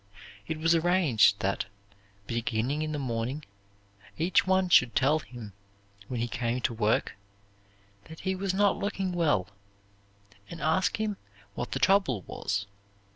It was arranged that, beginning in the morning, each one should tell him, when he came to work, that he was not looking well, and ask him what the trouble was.